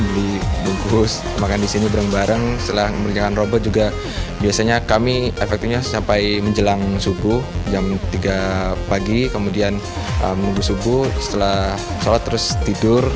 dibungkus makan di sini bareng bareng setelah mengerjakan robot juga biasanya kami efektifnya sampai menjelang subuh jam tiga pagi kemudian minggu subuh setelah sholat terus tidur